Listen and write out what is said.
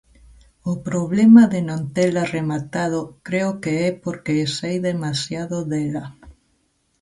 O problema de non tela rematado creo que é porque sei demasiado dela.